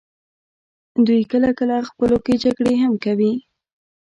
دوی کله کله خپلو کې جګړې هم کوي.